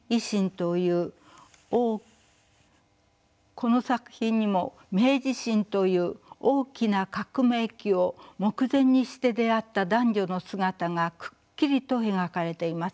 この作品にも明治維新という大きな革命期を目前にして出会った男女の姿がくっきりと描かれています。